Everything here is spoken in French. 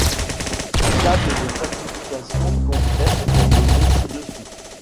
La table de classification complète est donnée ci-dessous.